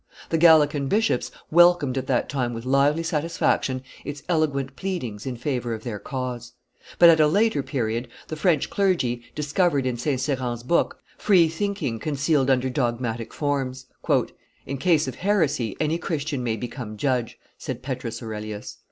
The Gallican bishops welcomed at that time with lively satisfaction, its eloquent pleadings in favor of their cause. But, at a later period, the French clergy discovered in St. Cyran's book free thinking concealed under dogmatic forms. "In case of heresy any Christian may become judge," said Petrus Aurelius.